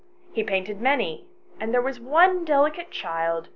He painted many, and there was one delicate child xn.